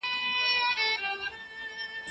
جهاد د حق او باطل تر منځ لاره بېلوی.